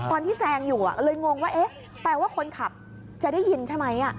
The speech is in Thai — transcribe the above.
หรอตอนที่แซงอยู่เลยงงว่าแปลว่าคนขับจะได้ยินใช่ไหม